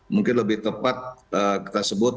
mungkin lebih tepat kita sebut